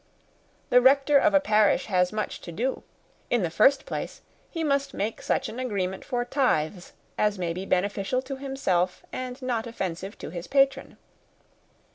The rector of a parish has much to do. In the first place, he must make such an agreement for tithes as may be beneficial to himself and not offensive to his patron.